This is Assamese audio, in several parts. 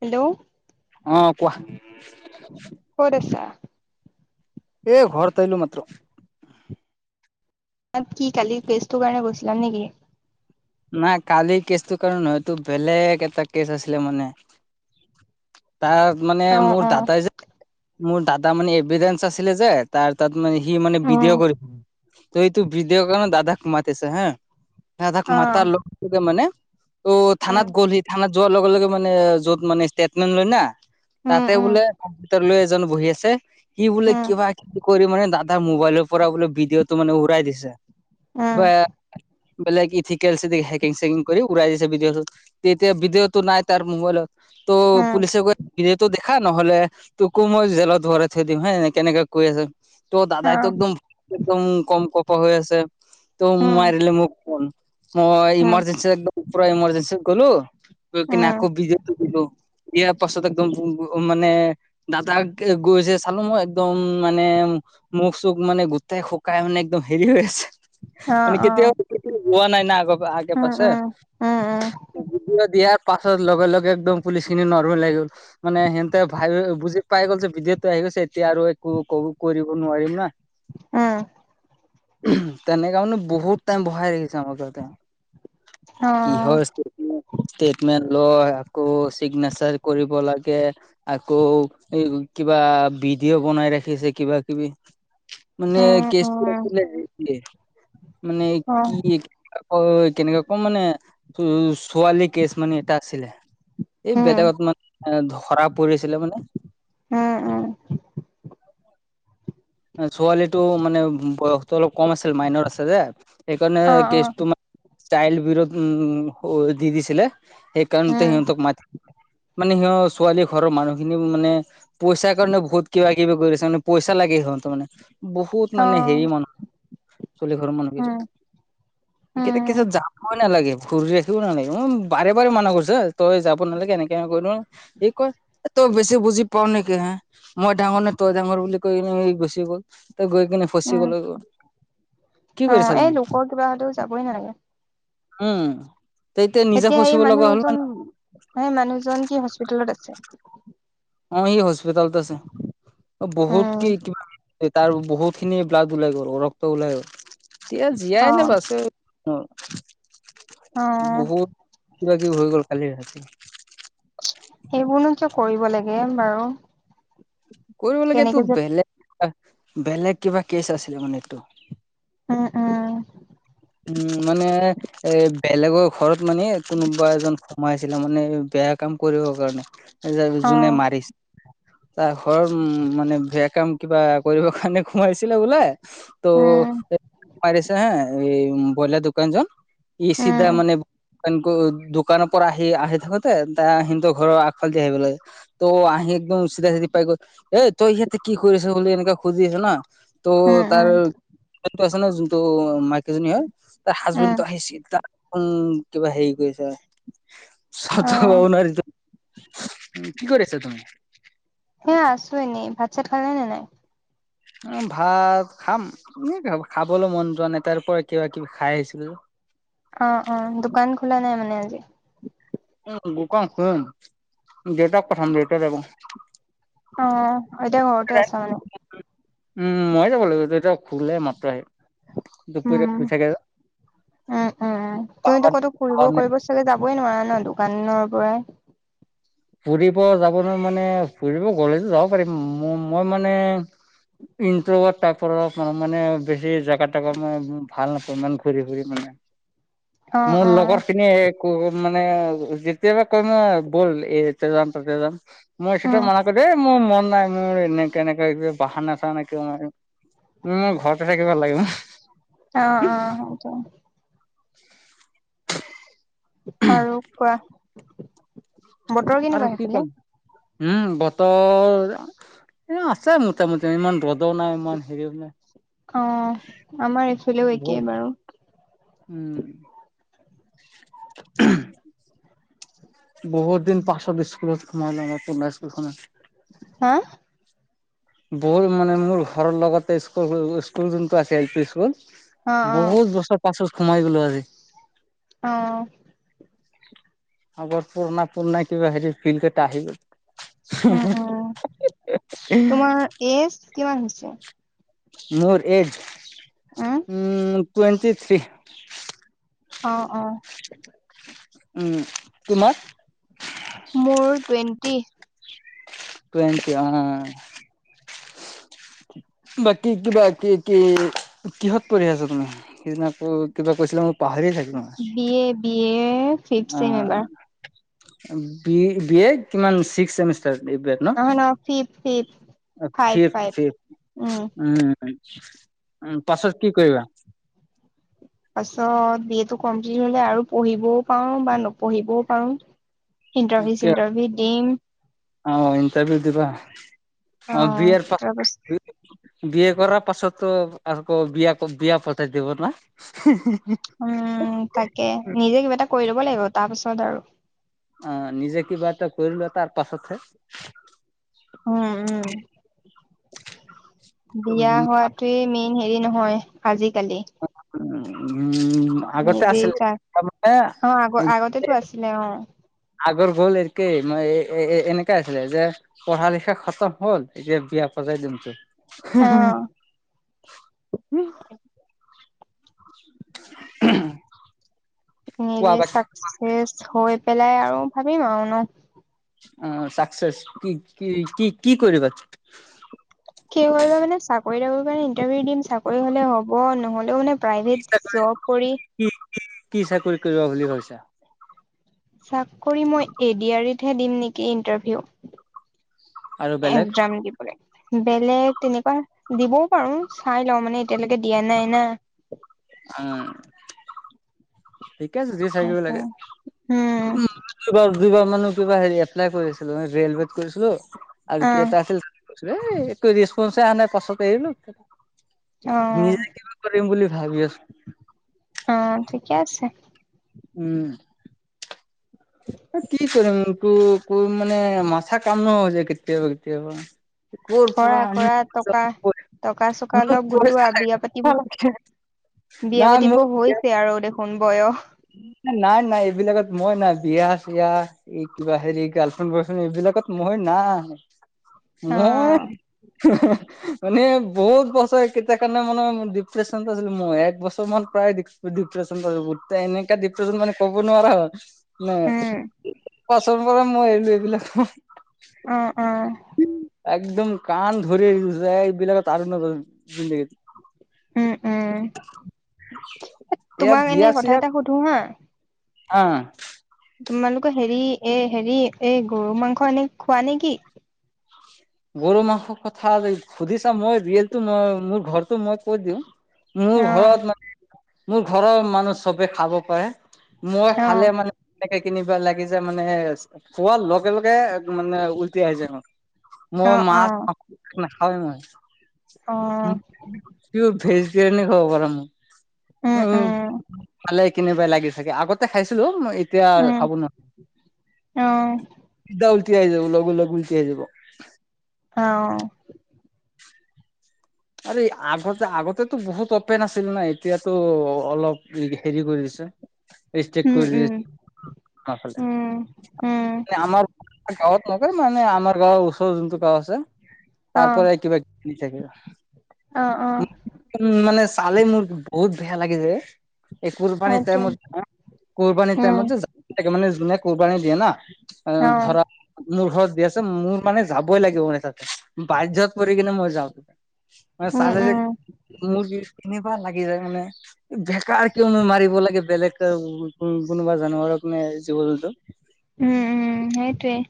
হেল্ল' অ কোৱা? ক'ত আছা? এই ঘৰত আহিলো মাত্ৰ। কি কালি প্ৰেছটোৰ কাৰণে গৈছিলা নেকি? নাই কালিৰ কেচটো কাৰো নহয় সেইটো বেলেগ এটা কেচ আছিলে মানে। তাত মানে অ', মোৰ অ', দাদাই যে মোৰ দাদা মানে এভিদেণ্স আছিলে যে তাৰ তাত মানে সি মানে ভিডিঅ' উম, কৰিছিল ত' এইটো ভিডিঅ' কাৰণে দাদাক মাতিছে হা। দাদাক মাতাৰ অ', লগে লগে মানে ত' উম, থানাত গ'ল সি থানাত যোৱাৰ লগে লগে মানে য'ত মানে ষ্টেটমেন্ট লয় না উম, তাতে উম, বোলে তাৰ ভিতৰলৈ এজন বহি আছে। সি বোলে উম, কিবা কিবি কৰি মানে দাদাৰ মোবাইলৰ পৰা বোলে ভিডিঅ'টো মানে উৰাই দিছে। উম। বা বেলেগ কি ঠিক হেকিং চেকিং কৰি উৰাই দিছে ভিডিঅ' টো, তেতিয়া ভিডিঅ' টো নাই তাৰ মোবাইলত ত' উম, পুলিচে কৈছে ভিডিঅ' টো দেখা নহ'লে তোকো মই জেলত ভৰাই থৈ দিম হয় এনেকে এনেকে কৈ আছে ত' দাদাইটো অ', একদম একদম কম কপ হৈ আছে ত' উম, মাৰিলে মোক ফোন মই উম, ইমাৰজেঞ্চি একদম পোৰা ইমাৰজেঞ্চিত গ'লো গৈ কিনে উম, আকৌ ভিডিঅ'টো দিলোঁ। ইয়াৰ পাছত একদম মানে দাদাক এ গৈছে চালো মই একদম মানে মুখ চুখ মানে গোটাই শুকাই মানে একদম হেৰী হৈ আছে। অ', মানে অ', কেতিয়াও হোৱা নাই না আগ আগে উম, পাছে। উম, উম উম। ভিডিঅ' দিয়াৰ পাছত লগে লগে একদম পুলিচখিনি নৰ্মেল আহি গ'ল। মানে সিহঁতে ভাবি বুজি পাই গ'ল যে ভিডিঅ'টো আহি গৈছে এতিয়া আৰু একো ক কৰিব নোৱাৰিম না। উম। উমহ তেনেকা মানে বহুত টাইম বহাই ৰাখিছে আমাক তাতে। অ', কিহৰ ষ্টেটমেন্ট লয় আকৌ চিগনেচাৰ কৰিব লাগে। আকৌ এই কিবা ভিডিঅ' বনাই ৰাখিছে কিবা কিবি। মানে উম, কেচটো উম, আচলতে হেৰী মানে অ', কি আকৌ কেনেকে কম মানে ছো ছোৱালী কেচ মানে এটা আছিলে। এই উম, বেলেগত মানে ধৰা পৰিছিলে মানে উম' উম' ছোৱালীটো মানে বয়সটো অলপ কম আছিল, মাইনৰ আছে যে সেইকাৰণে অ', অ', কেচটো মানে চাইল্ড বিৰোধ উম' দি দিছিলে, সেইকাৰণতে উম, সিহঁতক মাতি মানে সিহঁ ছোৱালী ঘৰৰ মানুহখিনিও মানে পইচাৰ কাৰণে বহুত কিবা-কিবি কৰি আছে, মানে পইচা লাগে সিহঁতক মানে বহুত অ', মানে হেৰি মানুহ ছোৱালী ঘৰৰ মানুহ কিতো উম, উম' কেতে কেত যাবই নালাগে, ঘূৰি ৰাখিব নালাগে মই বাৰে বাৰে মানা কৰিছ তই যাব নালাগে এনেকে সি কয় এ তই বেছি বুজি পাওঁ নেকি হা মই ডাঙৰ নে তই ডাঙৰ বুলি কৈ কিনে সি গুচি গ'ল, তই গৈ কিনে ফচিব উম, লাগিব। অ' এই লোকৰ কিবা হ'লেও যাবই নালাগে। উম' তেতিয়া নিজে ফচিব লগা হ'ল মান হে মানুহজন কি হস্পিতেলত আছে? অ' সি হস্পিটেলত আছে। বহুত উম, কে কিবা এ তাৰ বহুত খিনি ব্লাড ওলাই গ'ল, ৰক্ত ওলাই গ'ল, এতিয়া জীয়াই অ', নে বাছে? অ' অ বহুত কিবা-কিবি হৈ গ'ল কালি ৰাতি। সেইবোৰনো কিয় কৰিব লাগে বাৰু কৰিব লাগেটো কেনেকে যে বেলেগ বেলেগ কিবা কেচ আছিলে মানে এইটো। উম উম উম মানে এ বেলেগৰ ঘৰত মানে কোনোবা এজন সোমাই আছিলে মানে বেয়া কাম কৰিবৰ কাৰণে। যাক অ যোনে মাৰিছে। তাৰ ঘৰ উম মানে বেয়া কাম কিবা কৰিবৰ কাৰণে সোমাইছিলে বোলে ত উম সোমাই দিছে হা এই বইলাৰ দোকান‌জন [unintelligible] ই চিধা উম মানে তে দোকানৰ পৰা আহি আহি থাকোতে তাৰ সিহঁতৰ ঘৰৰ আগফালে দি আহিব লাগে। ত' আহি একদম চিধা চিধি পাই গ'ল, এ তই ইয়াতে কি কৰি আছ বুলি এনেকে সুধি আছে না। ত' উম উম তাৰটো আছে ন যোনটো মাইকীজনী হয় তাৰ উম হাজবেণ্ডটো আহিছিল, তাৰ উম' কিবা হেৰি কৰিছে হয়। অ [unintelligible] উম' কি কৰি আছা তুমি? সেই আছো এনেই, ভাত চাত খালা নে নাই? অ' ভাত খাম এনে খাবলৈ মন যোৱা নাই তাৰ পৰা কিবা-কিবি খাই আহিছিলোঁ যে। অ' অ' দোকান খোলা নাই মানে আজি। অ' দোকান খুলিম, দেউতাক পঠাম, দেউতা যাব। অ' এতিয়া ঘৰতে আছা মানে। উম' মই যাব লাগিব, দেউতা শুলে এই মাত্ৰ আহি। দুপৰীয়া শুই উম' থাকে যে। উম' উম' তুমিতো কতো ফুৰিব কৰিব চালে যাবই নোৱাৰা ন, দোকানৰ পৰাই। ফুৰিব যাবলৈ মানে ফুৰিব গ'লেতো যাব পাৰিম। মই মানে ইট তাৰপৰা মানে বেছি জেগা তেগা মই ভাল নাপাওঁ ইমান ঘূৰি ফুৰি মানে। অ মোৰ অ লগৰ খিনি কয় মানে যেতিয়াবা কয় ব'ল এ য'তে যাম তাতে যাম, মই উম সেইটো মানা কৰি দিওঁ এ মোৰ মন নাই। মোৰ এনেকে এনেকে কৰি বাহানা চাহানা কিবা মাৰিম, মই ঘৰতে থাকি ভাল লাগে ন। অ' অ' হয়টো। আৰু কোৱা? বতৰ কেনেকুৱা আৰু কি সেইফালে কম? উম বতৰ ইয় আছে মোটামুটি ইমান ৰ'দও নাই ইমান হেৰিও নাই। অ আমাৰ এইফালেও বহুত একেই বাৰু। উম। [inaudible] [inaudible] বহুত দিন পাছত স্কুলত সোমালো মই পুণা স্কুল খনত। হা? বল মানে মোৰ ঘৰৰ লগতে স্কুল স্কুল যোনটো আছে এল পি স্কুল অ অ বহুত বছৰ পাছত সোমাই গলোঁ আজি অ। আগৰ পুৰণা পুৰণা কিবা হেৰি ফিল কেইটা আহি উম, গ'ল। উম, [unintelligible] তোমাৰ এজ কিমান হৈছে? মোৰ এজ উম, উ টুৱেণ্টি থ্ৰী। অ অ। উম, তোমাৰ? মোৰ টুৱেণ্টি। টুৱেন্টি অ। বা কি কিবা কি কি কিহত পঢ়ি আছ তুমি? সিদিনা আকৌ কিবা কৈছিলা মই পাহৰিয়ে থাকিলোঁ মই। B A B A fifth O sem এবাৰ। বি বি এ কিমান ছিক্স ছেমিষ্টাৰ এইবিলাক। নহয় নহয় fifth fifth five fifth five fifth উম। উম উম, পাছত কি কৰিবা? পাছত বি এ টো কমপ্লিট হ'লে আৰু পঢ়িবও পাও বা নপঢ়িবও পাৰো। ইণ্টাৰভিউ কিয় চিন্টাৰভিউ দিম। অ ইন্টাৰভিউ দিবা, অ বি এৰ পা বি এ কৰাৰ পাছতো আৰ ক বিয়াক বিয়া পটাই দিব না। [unintelligible] উম তাকে, নিজেই কিবা এটা কৰি ল'ব লাগিব, তাৰ পিছত আৰু। অ নিজে কিবা এটা কৰি লোৱা তাৰ পাছতহে। উম উম বিয়া হোৱাত টোয়েই মেইন হেৰি নহয় আজিকালি। [unintelligible] নিজেই আছিলে যাক তাৰমানে অ আগ আগতেতো আছিলে অ। আগৰ গ'ল একেই, মই এ এ এনেকাই আছিলে যে পঢ়া লিখা খতম হ'ল, এতিয়া বিয়া পতাই দিম তোক। অ', [unintelligible] [unintelligible] কোৱা নিজেই বাকী চাকচেচ হৈ পেলাই আৰু ভাবিম আও ন। অ চাকচেচ কি, কি কি কি কৰিবা? কি কৰিবা মানে চাকৰি তাকৰি কাৰনে ইণ্টাৰভিউ দিম, চাকৰি হলে হ'ব নহ'লেও মানে প্ৰাইভেট জব কৰি কি, কি কি চাকৰি কৰিবা বুলি ভাবিছা? চাকৰি মই এ ডি আৰ ইত হে দিম নিকি ইন্টাৰভিউ। আৰু বেলেগ একজাম দিবলে বেলেগ তেনেকুৱা দিবও পাৰো, চাই লওঁ। মানে এতিয়ালেকে দিয়া নাই না। উম ঠিকে আছে যি চাই দিব সেইটো লাগে উম দুবাৰ দুইবাৰ মানো কিবা হেৰিত এপ্লাই কৰিছিলো, ৰেলৱেত কৰিছিলো আৰু কি এটা আহ আছিল। এই একো ৰেছপনচে আহা নাই, পাছত এৰিলো। অহ। নিজে কিবা কৰিম বুলি ভাবি আছো। অ, ঠিকেই আছে। উম। কি কৰিম তোক কৰিম মানে মাথা কাম নোহোৱা হৈ যায়, কেতিয়াবা কেতিয়াবা। ক'ৰ পৰা কৰা আনিম কৰা, টকা টকা চকা মোক অলপ পইচা গোটোৱা বিয়া পাতিব, লাগে বিয়া নাই পাতিব মোক হৈ ছে আৰু দেখোন বয়স। নাই নাই এইবিলাকত মই নাই, বিয়া ছিয়া এই কিবা হেৰি গাৰ্লফ্ৰেণ্ড বয়ৰ্ফ্ৰেণ্ড এইবিলাকত মই নাই। অ মই, হেহ হেহ। মানে বহুত বছৰ কেইটা কাৰণে মানে ডিপ্ৰেশচন আছিলো মই, এক বছৰ মান প্ৰায় ডি ডিপ্ৰেশচন পো এনেকা ডিপ্ৰেশচন মানে ক'ব নোৱাৰা হয় নাই। উম পচন্দ পৰা মই এৰিলো এইবিলাক। অ', অ'। একদম কাণ ধৰি যায়, এইবিলাকত আৰু নধৰিম জিন্দেগীত। উম উম, ইয়াক তোমাক এনেই কথা এটা সুধো হা। অহ। তোমালোকৰ হেৰি, এ হেৰি, এই গৰু মাংস এনে খোৱা নেকি? গৰু মাংস কথা সুধিছা, মই ৰীয়েলটো মই মোৰ ঘৰটো মই কৈ দিওঁ। অ মোৰ ঘৰত মান মোৰ ঘৰৰ মানুহ চবে খাব পাৰে মই অ খালে মানে এনেকে কিনিবা লাগি যে মানে খোৱাৰ লগে লগে মানে উলটি আহি যাই মোৰ অ মই অ মাছ মাংস নাখাও মই অ ভেজ তিৱনি খাব পাৰে মোৰ উম খালে কেনেবাই লাগি থাকে আগতে খাইছিলো মই এতিয়া উম খাব নোৱাৰো অ চিধা উলটি আহি যাব লগ লগ উলটি আমি যাব অ আৰে আগতে আগতেতো বহুত অপেন আছিল না, এতিয়াতো অলপ হেৰি হেৰি কৰি দিছে। [inaudible] ষ্টেট কৰিলি উম উম উম আমাৰ গাঁৱত নকয় মানে আমাৰ গাঁৱৰ ওচৰৰ যোনটো গাঁও আছে অ তাৰ পৰাই কিবা ঘুৰি থাকে অ অ উম মানে চালে মোৰ বহুত ভেয়া লাগি যাই এই কুৰবানী সেইটো টাইমত কুৰবানী উম টাইমত যে মানে যোনে কুৰবানী দিয়ে না অ ধৰা [inaudible] মোৰ ঘৰত দি আছে মোৰ মানে যাবই লাগিব মানে তাত [unintelligible] বাধ্যত পৰি কেনে মই যাওঁ। মানে উম চালে যে উম [unintelligible] মোৰ [unintelligible] কেনেকুৱা লাগি যায় মানে বেকাৰ কিয়নো মাৰিব লাগে বেলেগ কোনোবা জানুৱাৰক নে জীৱ-জন্তু [unintelligible] উম-উম! সেইটোৱেই,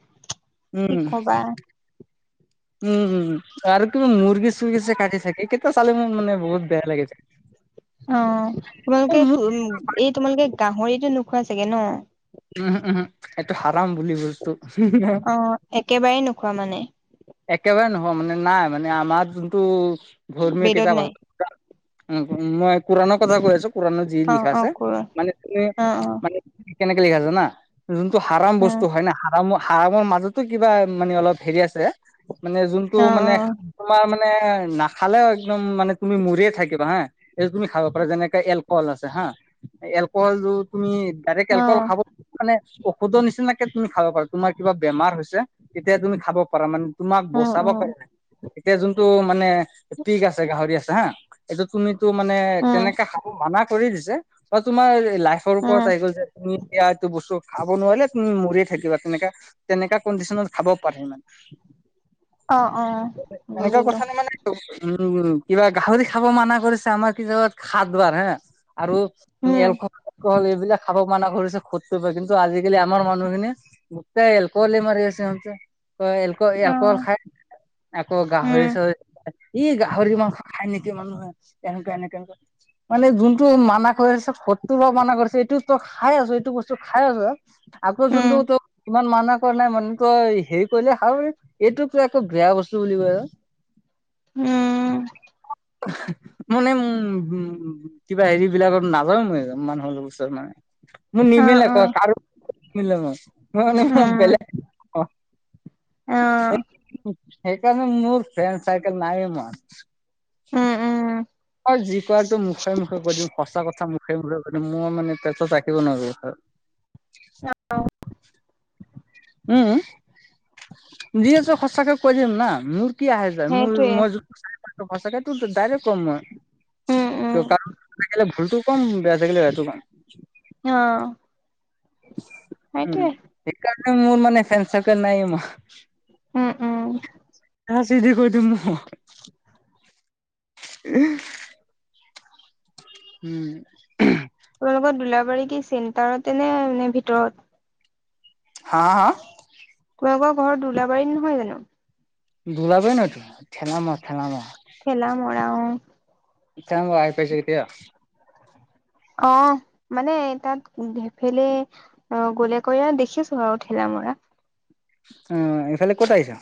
কি কবা। [unintelligible] উম-উম [unintelligible] আৰু কিবা মুৰ্গী-চৰ্গী যে কাটি থাকে তেতিয়া চালে মোৰ মানে বহুত বেয়া লাগে যায়। [unintelligible] অঁ! তোমালোকে মোৰ ত এই তোমালোকে গাহৰিটো নোখোৱা চাগে ন? [unintelligible] উম-উম [unintelligible] এইটো হাৰাম বুলি গৈছো [unintelligible] [unintelligible] অ! একেবাৰেেই নোখোৱা মানে। একেবাৰে নহয় মানে নাই মানে আমাৰ যোনটো ধৰ্মীয় বেদত কিতাপ নাই আছে [unintelligible] [unintelligible] উম মই কুৰানৰ কথা কৈ আছো কুৰানৰত যি অ লিখা অ আছে কৰ মানে তুমি অ অ মানে [unintelligible] কেনেকে লিখা যায় জানা যোনটো হাৰম উ বস্তু হয় না [unintelligible] [unintelligible] হাৰামৰ-হাৰামৰ মাজতো কিবা মানে অলপ হেৰি আছে মানে যোনটো অ মানে তোমাৰ মানে নাখালেও একদম মানে তুমি মৰিয়েই থাকিবা হা, এই তুমি খাব পাৰা যেনেকে এল [unintelligible] এলক'হল আছে হা, এলক'হলটো তুমি ডাইৰেক্ট অ এল অ [unintelligible] মানে ঔষধৰ নিচিনাকে তুমি খাব পাৰা। তোমাৰ কিবা বেমাৰ হৈছে তেতিয়া তুমি খাব পাৰা মানে। [unintelligible] তোমাক উম বচাব উম পাৰে। এতিয়া যোনটো মানে পিক আছে গাহৰি আছে হা। [unintelligible] এইটো তুমিটো মানে উম তেনেকা খাব মানা কৰি দিছে বা তোমাৰ লাইফৰ ওপৰত উম আহি গ'ল যে। [unintelligible] তুমি এয়া এইটো বস্তু খাব নোৱাৰিলে তুমি মৰিয়েই থাকিবা। তেনেকা-তেনেকা কণ্ডিচনত খাব পাৰি মানে। [unintelligible] [unintelligible] অ এনেকুৱা বুজিলো কথা নে মানে [unintelligible] [unintelligible] উম! কিবা গাহৰি খাব মানা কৰিছে আমাৰ কি জত সাত বাৰ হা [unintelligible] আৰু তুমি উম এলক'হল-এলক'হল এইবিলাক খাব মানা কৰিছে [unintelligible] কিন্তু আজিকালি আমাৰ মানুহখিনিয়ে গোটেই এলক'হলেই মাৰি আছে। অ এলক'হল খাই [unintelligible] আকৌ উম গাহৰি-চাহৰি, ই গাহৰি কি মাংস খাই নেকি মানুহে? [unintelligible] এনেকুৱা এনেকে-এনেকে [unintelligible] মানে যোনটো মানা কৰিছে সত্ৰু বা মানা কৰিছে এইটোত [unintelligible] খাই আছোঁ, এইটো বস্তু খাই আছোঁ, আকৌ উম যোনটো ত [unintelligible] ইমান মানা কৰা নাই মানে তই হেৰি কৰিলে ভাল [unintelligible] এইটোকতো আকৌ বেয়া বস্তু বুলি কয় ন? [unintelligible] উম! [unintelligible] মানে উম-উম [unintelligible] কিবা হেৰি বিলাকত নাযায় মই মানুহৰ ওচৰত মানে। [inaudible] মোৰ অ নিমিলিলে [unintelligible] অ ক কাৰো নিমিলে মোৰ। মই মানে মই উম বেলেগ [inaudible] অ [unintelligible] [inaudible] সেইকাৰণে মোৰ ফ্ৰেন্ড চাৰ্কল নাই ইমান। [unintelligible] উম-উম। [unintelligible] মই যি কোৱাটো মুখে-মুখে কৈ দিম, সঁচা কথা মুখে-মুখে কৈ দিম, মই মানে পেটত ৰাখিব নোৱাৰো একো কথা। [unintelligible] নাপাঁও। [unintelligible] উম-উম! [inaudible] যি আছোঁ সঁচাকে কৈ দিম না মোৰ [unintelligible] কি আহে যায়। মোৰ সেইটোৱে মই [unintelligible] সঁচাকেটো ডাইৰেক্ট ক'ম মই। উম উম [unintelligible] ভুলটো কম, বেয়া থাকিলে বেয়াটো কম। অঁ [unintelligible] উম! সেইকাৰণে মোৰ মানে ফেণ্ড চাৰ্কোল নাই মোৰ। [unintelligible] উম-উম [inaudible] [unintelligible] উম'। তোমালোকৰ দুলাবাৰি কি চেণ্টাৰতে নে, নে ভিতৰত? হা, হা? তোমালোকৰ ঘৰ দোলাবাৰীত নহয় জানো? দুলাবাৰী নহয় তোমাৰ, থেলামৰ-থেলামৰা থেলামৰা অ'। [unintelligible] অ', মানে তাত সেফেলে গলে কয় আও, দেখিছোঁ থেলামৰা। অ' এইফালে ক'ত আহিছাঁ?